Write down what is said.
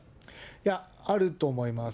いや、あると思います。